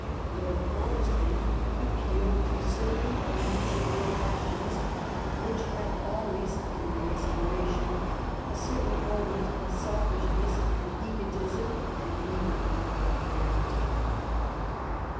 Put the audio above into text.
Lord Palmer ston appealed to certain national passions, which have always in their inspiration a certain element of selfishness and egotism, and even of vulgarity.